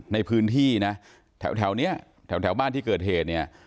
ในพื้นที่นะแถวนี้แถวบ้านที่เกิดเหตุเนี่ย